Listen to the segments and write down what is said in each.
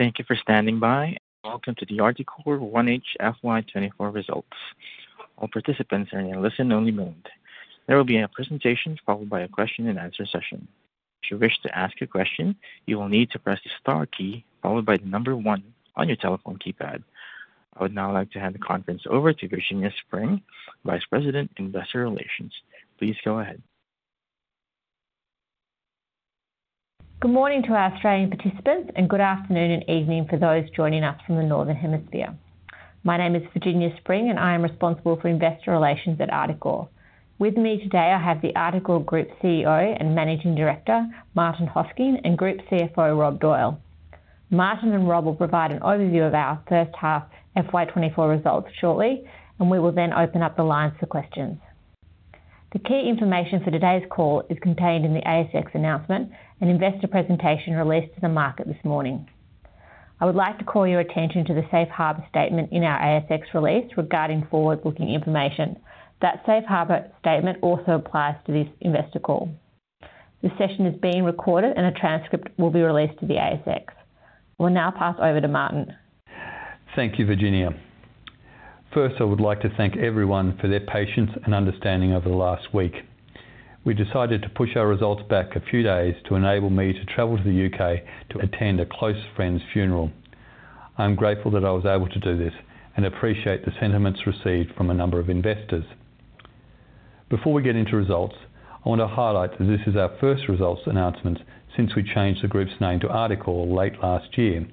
Thank you for standing by and welcome to the Articore 1H FY 2024 results. All participants are in a listen-only mode. There will be a presentation followed by a question-and-answer session. If you wish to ask a question, you will need to press the star key followed by the number one on your telephone keypad. I would now like to hand the conference over to Virginia Spring, Vice President, Investor Relations. Please go ahead. Good morning to our Australian participants, and good afternoon and evening for those joining us from the Northern Hemisphere. My name is Virginia Spring, and I am responsible for Investor Relations at Articore. With me today I have the Articore Group CEO and Managing Director, Martin Hosking, and Group CFO, Rob Doyle. Martin and Rob will provide an overview of our first half FY 2024 results shortly, and we will then open up the lines for questions. The key information for today's call is contained in the ASX announcement and investor presentation released to the market this morning. I would like to call your attention to the Safe Harbor statement in our ASX release regarding forward-looking information. That Safe Harbor statement also applies to this investor call. The session is being recorded, and a transcript will be released to the ASX. I will now pass over to Martin. Thank you, Virginia. First, I would like to thank everyone for their patience and understanding over the last week. We decided to push our results back a few days to enable me to travel to the U.K. to attend a close friend's funeral. I'm grateful that I was able to do this and appreciate the sentiments received from a number of investors. Before we get into results, I want to highlight that this is our first results announcement since we changed the group's name to Articore late last year.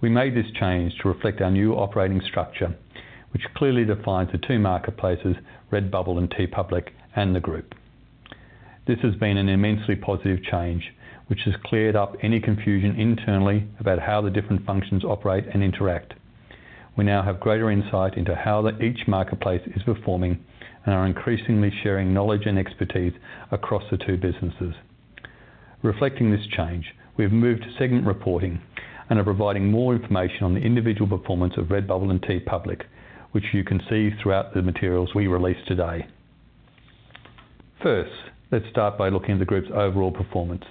We made this change to reflect our new operating structure, which clearly defines the two marketplaces, Redbubble and TeePublic, and the group. This has been an immensely positive change, which has cleared up any confusion internally about how the different functions operate and interact. We now have greater insight into how each marketplace is performing and are increasingly sharing knowledge and expertise across the two businesses. Reflecting this change, we've moved to segment reporting and are providing more information on the individual performance of Redbubble and TeePublic, which you can see throughout the materials we release today. First, let's start by looking at the group's overall performance.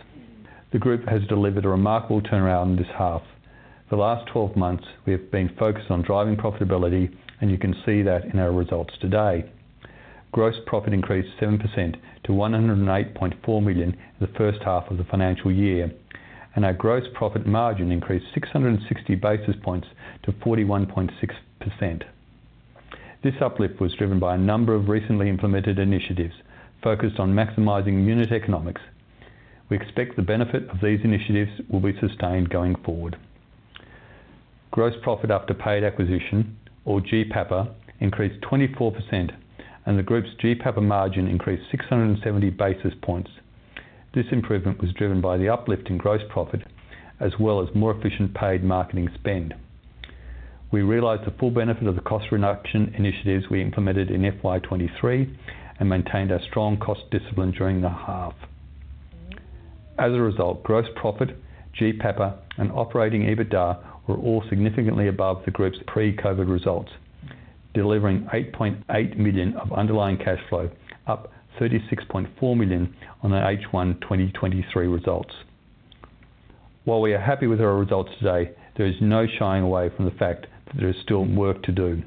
The group has delivered a remarkable turnaround in this half. For the last 12 months, we have been focused on driving profitability, and you can see that in our results today. Gross profit increased 7% to 108.4 million in the first half of the financial year, and our gross profit margin increased 660 basis points to 41.6%. This uplift was driven by a number of recently implemented initiatives focused on maximizing unit economics. We expect the benefit of these initiatives will be sustained going forward. Gross profit after paid acquisition, or GPAPA, increased 24%, and the group's GPAPA margin increased 670 basis points. This improvement was driven by the uplift in gross profit as well as more efficient paid marketing spend. We realized the full benefit of the cost reduction initiatives we implemented in FY 2023 and maintained our strong cost discipline during the half. As a result, gross profit, GPAPA, and operating EBITDA were all significantly above the group's pre-COVID results, delivering 8.8 million of underlying cash flow, up 36.4 million on the H1 2023 results. While we are happy with our results today, there is no shying away from the fact that there is still work to do.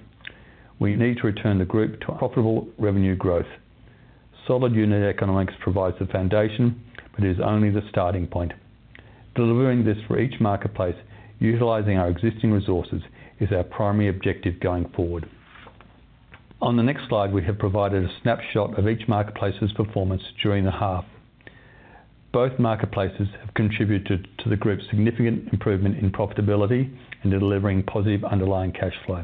We need to return the group to profitable revenue growth. Solid unit economics provides the foundation, but it is only the starting point. Delivering this for each marketplace, utilizing our existing resources, is our primary objective going forward. On the next slide, we have provided a snapshot of each marketplace's performance during the half. Both marketplaces have contributed to the group's significant improvement in profitability and delivering positive underlying cash flow.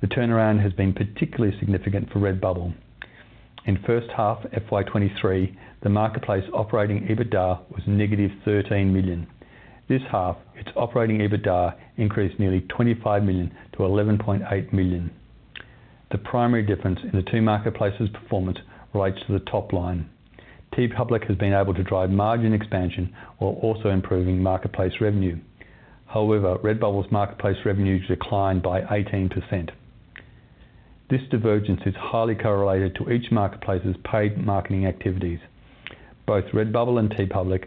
The turnaround has been particularly significant for Redbubble. In first half FY 2023, the marketplace operating EBITDA was -13 million. This half, its operating EBITDA increased nearly 25 million-11.8 million. The primary difference in the two marketplaces' performance relates to the top line. TeePublic has been able to drive margin expansion while also improving marketplace revenue. However, Redbubble's marketplace revenues declined by 18%. This divergence is highly correlated to each marketplace's paid marketing activities. Both Redbubble and TeePublic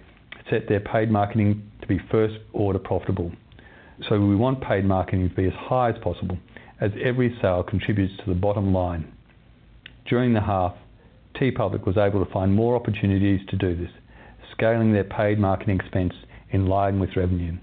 set their paid marketing to be first-order profitable. So we want paid marketing to be as high as possible, as every sale contributes to the bottom line. During the half, TeePublic was able to find more opportunities to do this, scaling their paid marketing expense in line with revenue.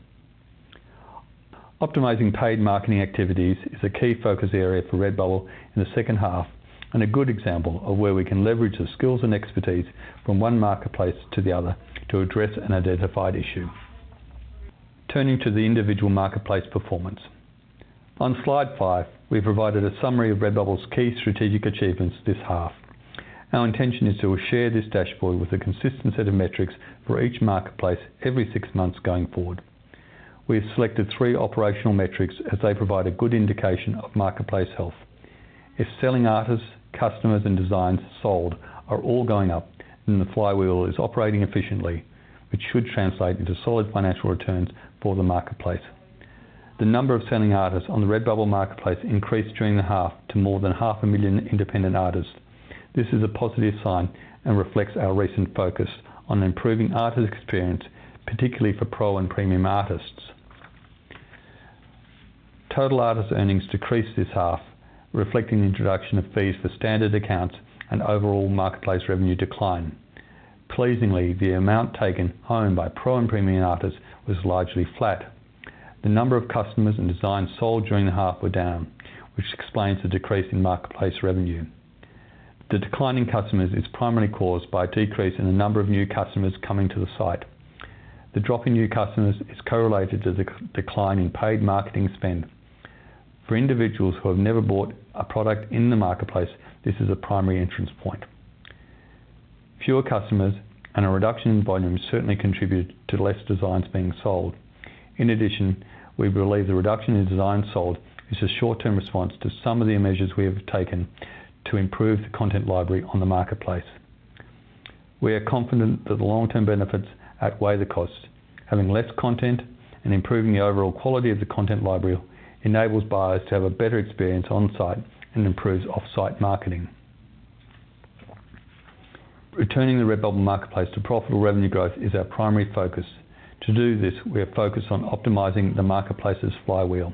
Optimizing paid marketing activities is a key focus area for Redbubble in the second half and a good example of where we can leverage the skills and expertise from one marketplace to the other to address an identified issue. Turning to the individual marketplace performance. On slide five, we provided a summary of Redbubble's key strategic achievements this half. Our intention is to share this dashboard with a consistent set of metrics for each marketplace every six months going forward. We have selected three operational metrics as they provide a good indication of marketplace health. If selling artists, customers, and designs sold are all going up, then the flywheel is operating efficiently, which should translate into solid financial returns for the marketplace. The number of selling artists on the Redbubble marketplace increased during the half to more than 500,000 independent artists. This is a positive sign and reflects our recent focus on improving artists' experience, particularly for pro and premium artists. Total artists' earnings decreased this half, reflecting the introduction of fees for standard accounts and overall marketplace revenue decline. Pleasingly, the amount taken home by pro and premium artists was largely flat. The number of customers and designs sold during the half were down, which explains the decrease in marketplace revenue. The declining customers is primarily caused by a decrease in the number of new customers coming to the site. The drop in new customers is correlated to the decline in paid marketing spend. For individuals who have never bought a product in the marketplace, this is a primary entrance point. Fewer customers and a reduction in volume certainly contribute to less designs being sold. In addition, we believe the reduction in designs sold is a short-term response to some of the measures we have taken to improve the content library on the marketplace. We are confident that the long-term benefits outweigh the costs. Having less content and improving the overall quality of the content library enables buyers to have a better experience on-site and improves off-site marketing. Returning the Redbubble marketplace to profitable revenue growth is our primary focus. To do this, we have focused on optimizing the marketplace's flywheel.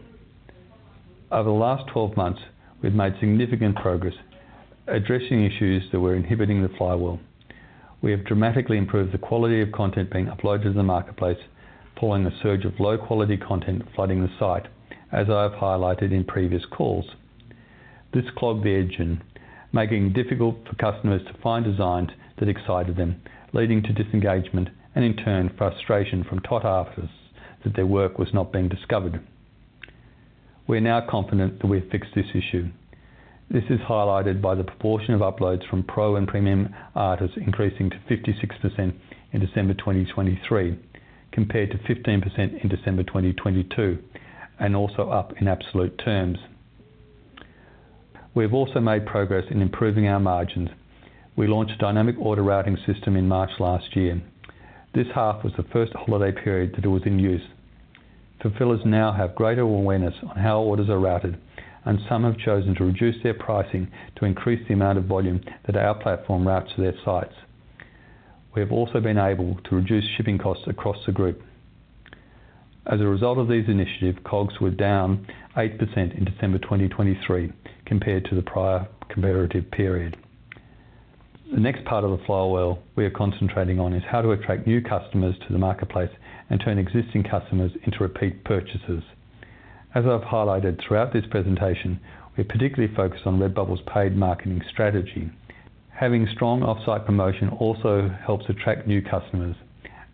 Over the last 12 months, we've made significant progress addressing issues that were inhibiting the flywheel. We have dramatically improved the quality of content being uploaded to the marketplace, pulling a surge of low-quality content flooding the site, as I have highlighted in previous calls. This clogged the engine, making it difficult for customers to find designs that excited them, leading to disengagement and, in turn, frustration from top artists that their work was not being discovered. We are now confident that we have fixed this issue. This is highlighted by the proportion of uploads from pro and premium artists increasing to 56% in December 2023 compared to 15% in December 2022 and also up in absolute terms. We have also made progress in improving our margins. We launched a dynamic order routing system in March last year. This half was the first holiday period that it was in use. Fulfillers now have greater awareness on how orders are routed, and some have chosen to reduce their pricing to increase the amount of volume that our platform routes to their sites. We have also been able to reduce shipping costs across the group. As a result of these initiatives, COGS were down 8% in December 2023 compared to the prior corresponding period. The next part of the flywheel we are concentrating on is how to attract new customers to the marketplace and turn existing customers into repeat purchases. As I've highlighted throughout this presentation, we are particularly focused on Redbubble's paid marketing strategy. Having strong off-site promotion also helps attract new customers,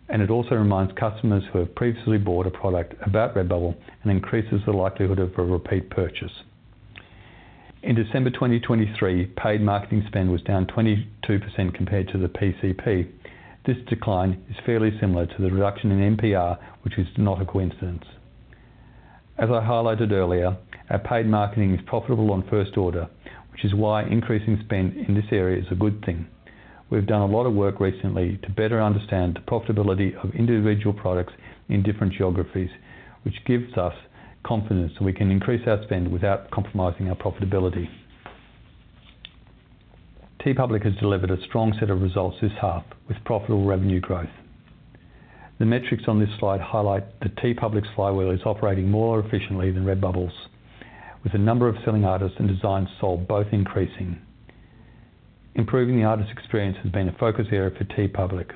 and it also reminds customers who have previously bought a product about Redbubble and increases the likelihood of a repeat purchase. In December 2023, paid marketing spend was down 22% compared to the PCP. This decline is fairly similar to the reduction in MPR, which is not a coincidence. As I highlighted earlier, our paid marketing is profitable on first order, which is why increasing spend in this area is a good thing. We've done a lot of work recently to better understand the profitability of individual products in different geographies, which gives us confidence that we can increase our spend without compromising our profitability. TeePublic has delivered a strong set of results this half with profitable revenue growth. The metrics on this slide highlight that TeePublic's flywheel is operating more efficiently than Redbubble's, with the number of selling artists and designs sold both increasing. Improving the artists' experience has been a focus area for TeePublic.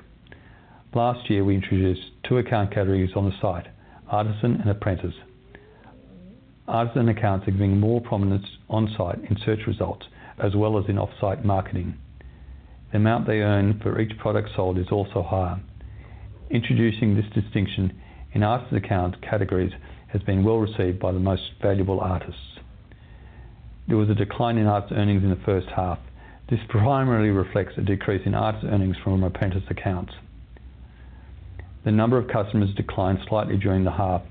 Last year, we introduced two account categories on the site: artisan and apprentice. Artisan accounts are giving more prominence on-site in search results as well as in off-site marketing. The amount they earn for each product sold is also higher. Introducing this distinction in artisan account categories has been well received by the most valuable artists. There was a decline in artists' earnings in the first half. This primarily reflects a decrease in artists' earnings from apprentice accounts. The number of customers declined slightly during the half.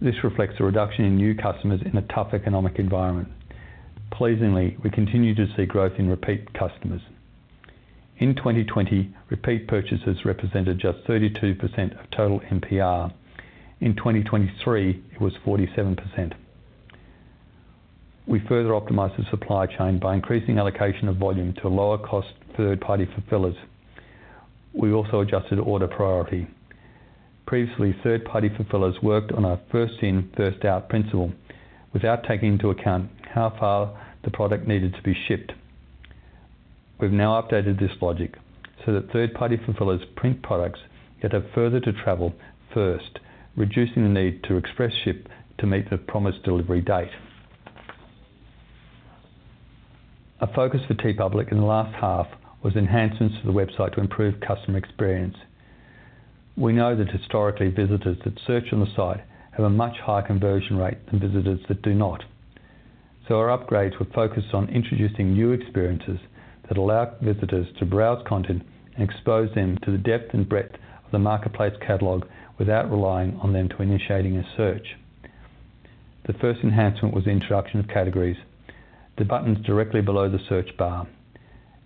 This reflects a reduction in new customers in a tough economic environment. Pleasingly, we continue to see growth in repeat customers. In 2020, repeat purchases represented just 32% of total NPR. In 2023, it was 47%. We further optimized the supply chain by increasing allocation of volume to lower-cost third-party fulfillers. We also adjusted order priority. Previously, third-party fulfillers worked on a first-in, first-out principle without taking into account how far the product needed to be shipped. We've now updated this logic so that third-party fulfillers print products yet have further to travel first, reducing the need to express ship to meet the promised delivery date. A focus for TeePublic in the last half was enhancements to the website to improve customer experience. We know that historically, visitors that search on the site have a much higher conversion rate than visitors that do not. So our upgrades were focused on introducing new experiences that allow visitors to browse content and expose them to the depth and breadth of the marketplace catalog without relying on them to initiating a search. The first enhancement was the introduction of categories: the buttons directly below the search bar.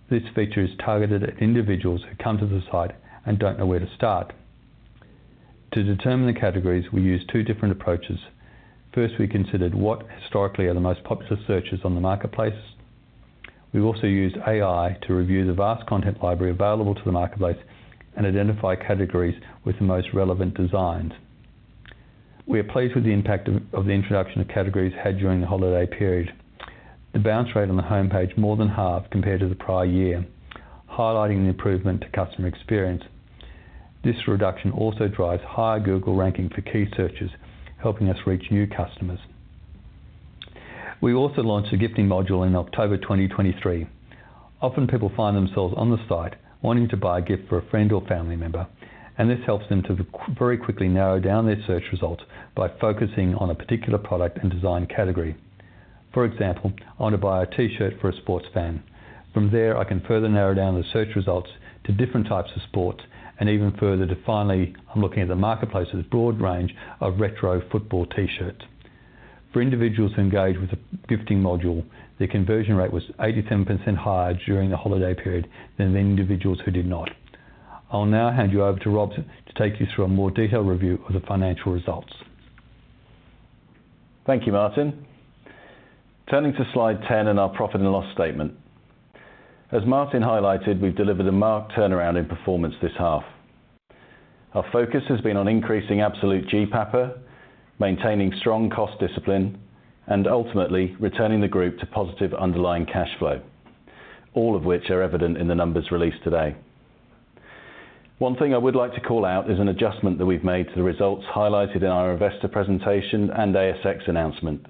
This feature is targeted at individuals who come to the site and don't know where to start. To determine the categories, we used two different approaches. First, we considered what historically are the most popular searches on the marketplace. We also used AI to review the vast content library available to the marketplace and identify categories with the most relevant designs. We are pleased with the impact of the introduction of categories had during the holiday period. The bounce rate on the homepage more than halved compared to the prior year, highlighting the improvement to customer experience. This reduction also drives higher Google ranking for key searches, helping us reach new customers. We also launched a gifting module in October 2023. Often, people find themselves on the site wanting to buy a gift for a friend or family member, and this helps them to very quickly narrow down their search results by focusing on a particular product and design category. For example, I want to buy a T-shirt for a sports fan. From there, I can further narrow down the search results to different types of sports and even further to finally, I'm looking at the marketplace's broad range of retro football T-shirts. For individuals who engage with the gifting module, the conversion rate was 87% higher during the holiday period than the individuals who did not. I'll now hand you over to Rob to take you through a more detailed review of the financial results. Thank you, Martin. Turning to Slide 10 and our profit and loss statement. As Martin highlighted, we've delivered a marked turnaround in performance this half. Our focus has been on increasing absolute GPAPA, maintaining strong cost discipline, and ultimately returning the group to positive underlying cash flow, all of which are evident in the numbers released today. One thing I would like to call out is an adjustment that we've made to the results highlighted in our investor presentation and ASX announcement,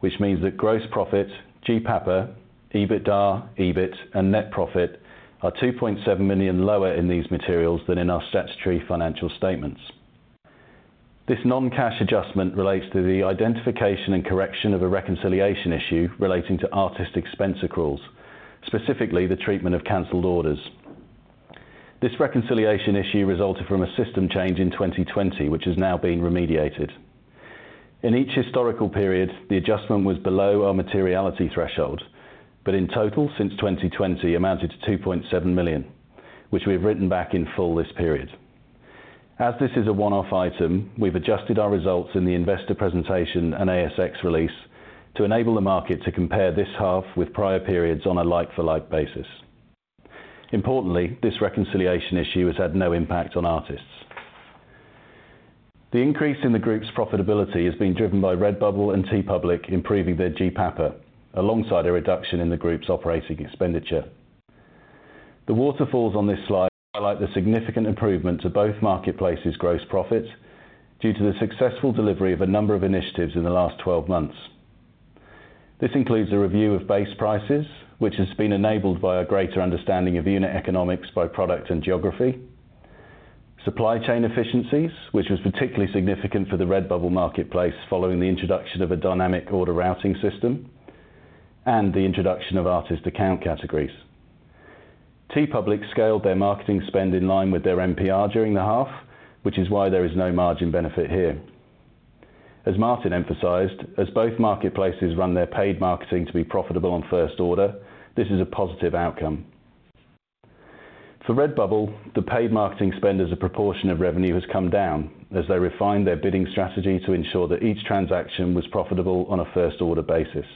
which means that gross profit, GPAPA, EBITDA, EBIT, and net profit are 2.7 million lower in these materials than in our statutory financial statements. This non-cash adjustment relates to the identification and correction of a reconciliation issue relating to artist expense accruals, specifically the treatment of cancelled orders. This reconciliation issue resulted from a system change in 2020, which has now been remediated. In each historical period, the adjustment was below our materiality threshold, but in total, since 2020, amounted to 2.7 million, which we have written back in full this period. As this is a one-off item, we've adjusted our results in the investor presentation and ASX release to enable the market to compare this half with prior periods on a like-for-like basis. Importantly, this reconciliation issue has had no impact on artists. The increase in the group's profitability has been driven by Redbubble and TeePublic improving their GPAPA alongside a reduction in the group's operating expenditure. The waterfalls on this slide highlight the significant improvement to both marketplaces' gross profits due to the successful delivery of a number of initiatives in the last 12 months. This includes a review of base prices, which has been enabled by a greater understanding of unit economics by product and geography, supply chain efficiencies, which was particularly significant for the Redbubble marketplace following the introduction of a dynamic order routing system, and the introduction of artist account categories. TeePublic scaled their marketing spend in line with their NPR during the half, which is why there is no margin benefit here. As Martin emphasized, as both marketplaces run their paid marketing to be profitable on first order, this is a positive outcome. For Redbubble, the paid marketing spend as a proportion of revenue has come down as they refined their bidding strategy to ensure that each transaction was profitable on a first order basis.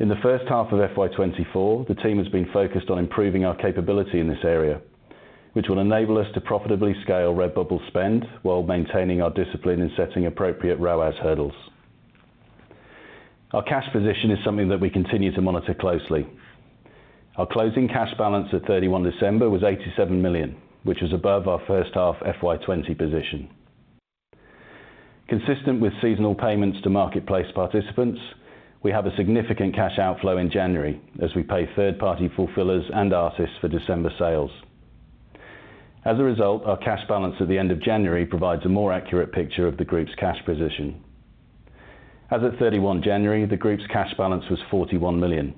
In the first half of FY 2024, the team has been focused on improving our capability in this area, which will enable us to profitably scale Redbubble's spend while maintaining our discipline in setting appropriate ROAS hurdles. Our cash position is something that we continue to monitor closely. Our closing cash balance at 31 December was 87 million, which was above our first half FY 2020 position. Consistent with seasonal payments to marketplace participants, we have a significant cash outflow in January as we pay third-party fulfillers and artists for December sales. As a result, our cash balance at the end of January provides a more accurate picture of the group's cash position. As of 31 January, the group's cash balance was 41 million.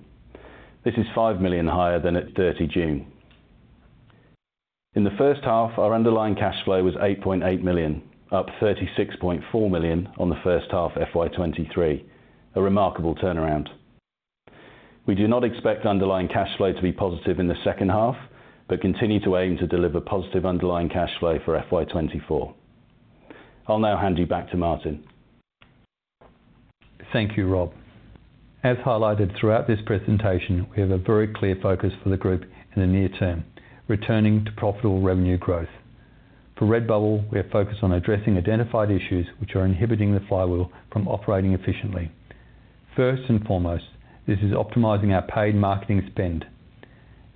This is 5 million higher than at 30 June. In the first half, our underlying cash flow was 8.8 million, up 36.4 million on the first half FY 2023, a remarkable turnaround. We do not expect underlying cash flow to be positive in the second half but continue to aim to deliver positive underlying cash flow for FY 2024. I'll now hand you back to Martin. Thank you, Rob. As highlighted throughout this presentation, we have a very clear focus for the group in the near term, returning to profitable revenue growth. For Redbubble, we are focused on addressing identified issues which are inhibiting the flywheel from operating efficiently. First and foremost, this is optimizing our paid marketing spend.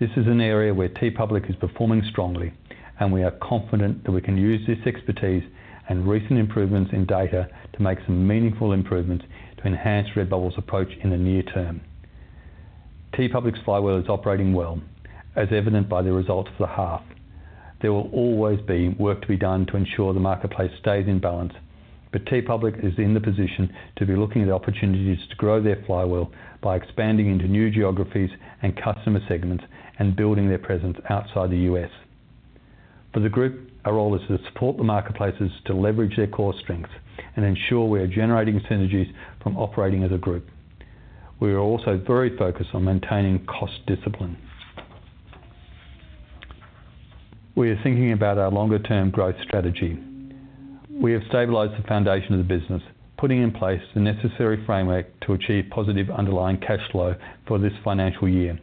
This is an area where TeePublic is performing strongly, and we are confident that we can use this expertise and recent improvements in data to make some meaningful improvements to enhance Redbubble's approach in the near term. TeePublic's flywheel is operating well, as evident by the results for the half. There will always be work to be done to ensure the marketplace stays in balance, but TeePublic is in the position to be looking at opportunities to grow their flywheel by expanding into new geographies and customer segments and building their presence outside the U.S. For the group, our role is to support the marketplaces to leverage their core strengths and ensure we are generating synergies from operating as a group. We are also very focused on maintaining cost discipline. We are thinking about our longer-term growth strategy. We have stabilized the foundation of the business, putting in place the necessary framework to achieve positive underlying cash flow for this financial year.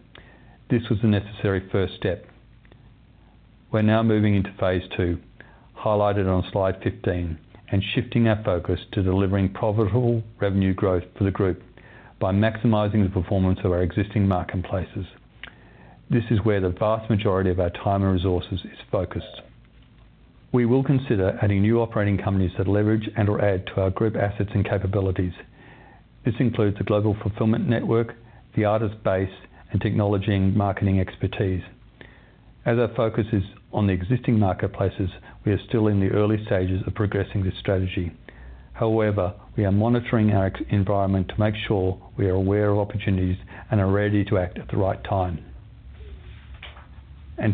This was the necessary first step. We're now moving into phase II, highlighted on Slide 15, and shifting our focus to delivering profitable revenue growth for the group by maximizing the performance of our existing marketplaces. This is where the vast majority of our time and resources is focused. We will consider adding new operating companies that leverage and/or add to our group assets and capabilities. This includes the global fulfillment network, the artist base, and technology and marketing expertise. As our focus is on the existing marketplaces, we are still in the early stages of progressing this strategy. However, we are monitoring our environment to make sure we are aware of opportunities and are ready to act at the right time.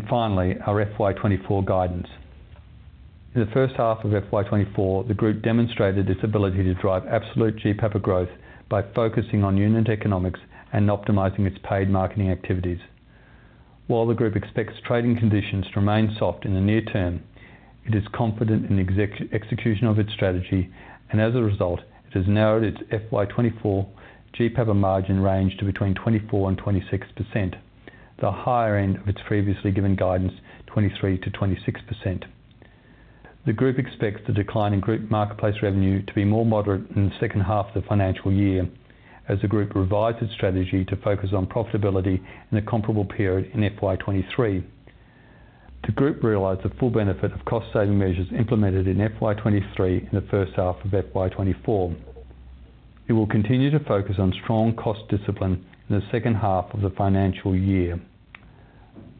Finally, our FY 2024 guidance. In the first half of FY 2024, the group demonstrated its ability to drive absolute GPAPA growth by focusing on unit economics and optimizing its paid marketing activities. While the group expects trading conditions to remain soft in the near term, it is confident in the execution of its strategy, and as a result, it has narrowed its FY 2024 GPAPA margin range to between 24%-26%, the higher end of its previously given guidance, 23%-26%. The group expects the decline in group marketplace revenue to be more moderate in the second half of the financial year as the group revised its strategy to focus on profitability in a comparable period in FY 2023. The group realized the full benefit of cost-saving measures implemented in FY 2023 in the first half of FY 2024. It will continue to focus on strong cost discipline in the second half of the financial year.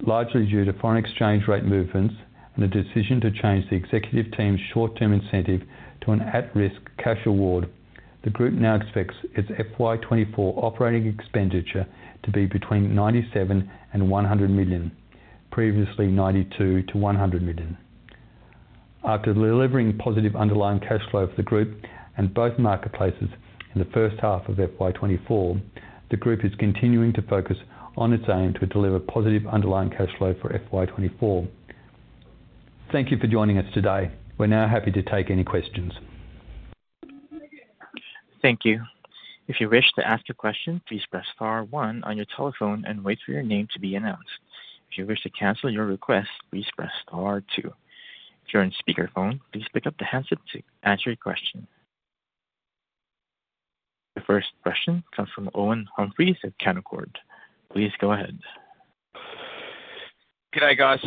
Largely due to foreign exchange rate movements and the decision to change the executive team's short-term incentive to an at-risk cash reward, the group now expects its FY 2024 operating expenditure to be between 97 million and 100 million, previously 92 million to 100 million. After delivering positive Underlying Cash Flow for the group and both marketplaces in the first half of FY 2024, the group is continuing to focus on its aim to deliver positive Underlying Cash Flow for FY 2024. Thank you for joining us today. We're now happy to take any questions. Thank you. If you wish to ask a question, please press star one on your telephone and wait for your name to be announced. If you wish to cancel your request, please press star two. If you're on speakerphone, please pick up the handset to answer your question. The first question comes from Owen Humphries at Canaccord. Please go ahead. Good day, guys.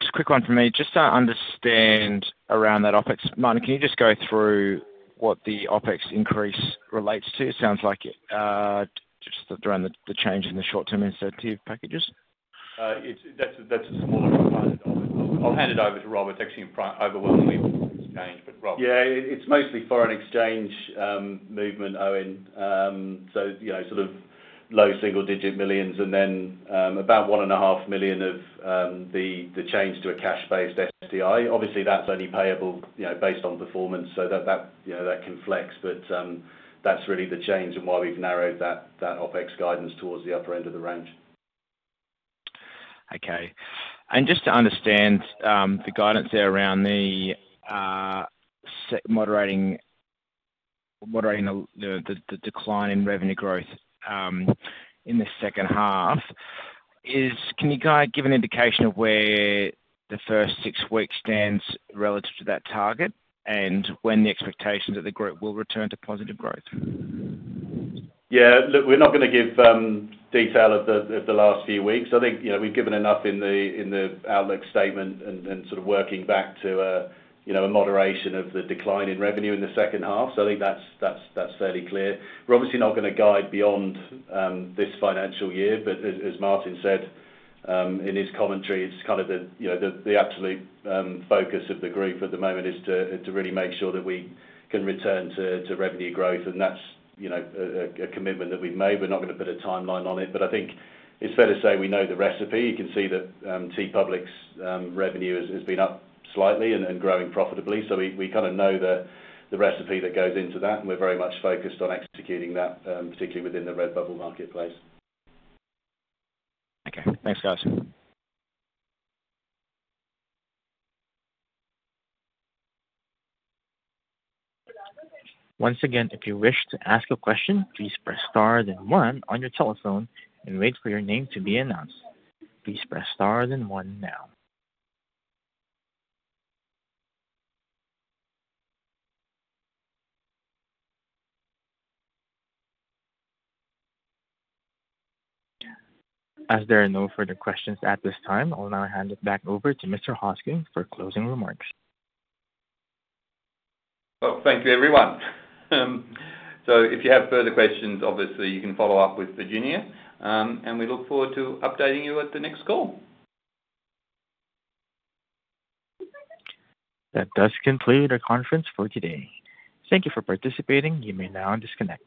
Just a quick one from me. Just to understand around that OpEx, Martin, can you just go through what the OpEx increase relates to? Sounds like it's just around the change in the short-term incentive packages. That's a smaller component. I'll hand it over to Rob. It's actually overwhelmingly foreign exchange, but Rob. Yeah. It's mostly foreign exchange movement, Owen. So sort of low single-digit millions and then about 1.5 million of the change to a cash-based STI. Obviously, that's only payable based on performance, so that can flex, but that's really the change and why we've narrowed that OpEx guidance towards the upper end of the range. Okay. Just to understand the guidance there around moderating the decline in revenue growth in the second half, can you guys give an indication of where the first six weeks stands relative to that target and when the expectations are that the group will return to positive growth? Yeah. Look, we're not going to give detail of the last few weeks. I think we've given enough in the outlook statement and sort of working back to a moderation of the decline in revenue in the second half, so I think that's fairly clear. We're obviously not going to guide beyond this financial year, but as Martin said in his commentary, it's kind of the absolute focus of the group at the moment is to really make sure that we can return to revenue growth, and that's a commitment that we've made. We're not going to put a timeline on it, but I think it's fair to say we know the recipe. You can see that TeePublic's revenue has been up slightly and growing profitably, so we kind of know the recipe that goes into that, and we're very much focused on executing that, particularly within the Redbubble marketplace. Okay. Thanks, guys. Once again, if you wish to ask a question, please press star then one on your telephone and wait for your name to be announced. Please press star then one now. As there are no further questions at this time, I'll now hand it back over to Mr. Hosking for closing remarks. Well, thank you, everyone. So if you have further questions, obviously, you can follow up with Virginia, and we look forward to updating you at the next call. That does conclude our conference for today. Thank you for participating. You may now disconnect.